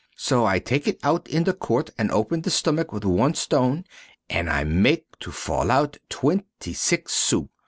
So I take it out in the court and open the stomach with one stone and I make to fall out 26 sous!